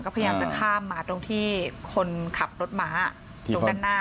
ก็พยายามจะข้ามมาตรงที่คนขับรถม้าตรงด้านหน้า